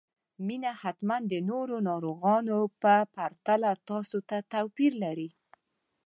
مينه حتماً د نورو ناروغانو په پرتله تاسو ته توپير لري